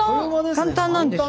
簡単なんですよ。